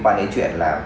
quan đến chuyện là